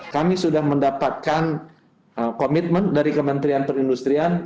kami sudah mendapatkan komitmen dari kementerian perindustrian